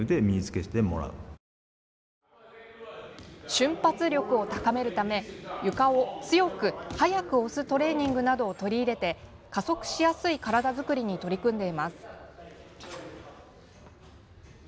瞬発力を高めるため床を強く、早く押すトレーニングなどを取り入れて加速しやすい体作りに取り組んでいます。